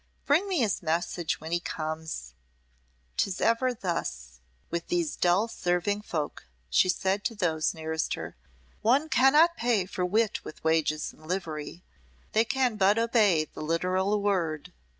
Bring me his message when he comes." "'Tis ever thus with these dull serving folk," she said to those nearest her. "One cannot pay for wit with wages and livery. They can but obey the literal word.